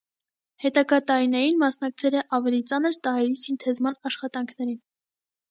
Հետագա տարիներին մասնակցել է ավելի ծանր տարրերի սինթեզման աշխատանքներին։